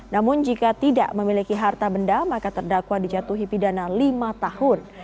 namun jika tidak memiliki harta benda maka terdakwa dijatuhi pidana lima tahun